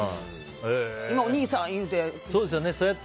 今、お兄さんって言って。